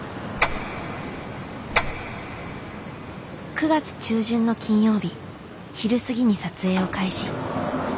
９月中旬の金曜日昼過ぎに撮影を開始。